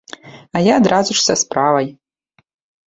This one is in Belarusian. А я адразу ж са справай.